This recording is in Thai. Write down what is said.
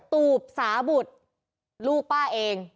ตูบสาบุตรลูกป้าเอง